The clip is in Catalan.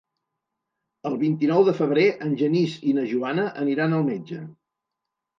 El vint-i-nou de febrer en Genís i na Joana aniran al metge.